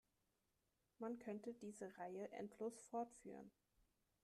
Man könnte diese Reihe endlos fortführen.